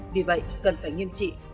vì vậy cần phải nghiêm trị